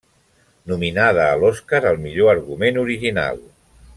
Nominada a l'Oscar al millor argument original.